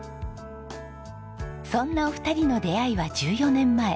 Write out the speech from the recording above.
そんなお二人の出会いは１４年前。